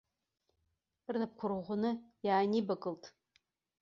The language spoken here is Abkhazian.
Рнапқәа рӷәӷәаны иаанибакылт.